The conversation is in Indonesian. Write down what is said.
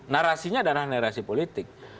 narasinya adalah narasi politik